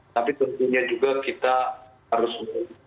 tapi tentunya juga kita harus